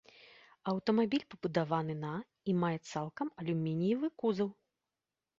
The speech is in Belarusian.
Аўтамабіль пабудаваны на і мае цалкам алюмініевы кузаў.